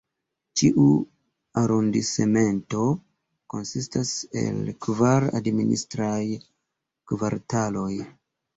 Ĉiu arondismento konsistas el kvar administraj kvartaloj.